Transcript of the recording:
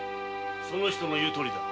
その人の言うとおりだ。